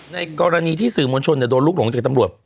ในกรณีที่สื่อมวลชนโดนลูกหลงจากตำรวจ